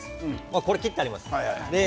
これは切ってあります。